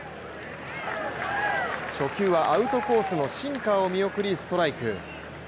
初球はアウトコースのシンカーを見送り、ストライク。